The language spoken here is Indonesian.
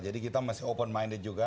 jadi kita masih berpikir terbuka juga